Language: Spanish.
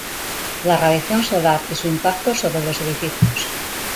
La radiación solar y su impacto sobre los edificios.